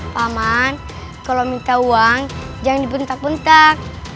paman kalau minta uang jangan dibentak bentak